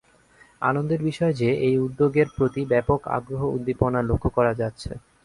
আনন্দের বিষয় যে এই উদ্যোগের প্রতি ব্যাপক আগ্রহ উদ্দীপনা লক্ষ করা যাচ্ছে।